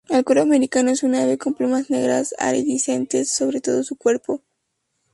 El cuervo americano es un ave con plumas negras iridiscentes sobre todo su cuerpo.